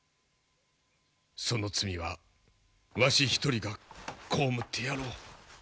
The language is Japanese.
その罪はわし一人が被ってやろう。